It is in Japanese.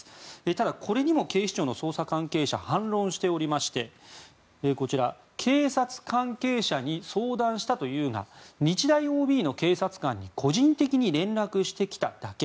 ただ、これにも警視庁の捜査関係者が反論しておりまして警察関係者に相談したというが日大ＯＢの警察官に個人的に連絡してきただけ。